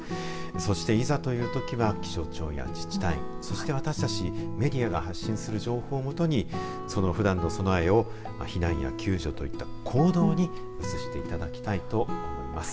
そして、いざというときには気象庁や自治体それに私たちメディアが発信する情報を基にそのふだんの備えを避難や救助といった行動に移していただきたいと思います。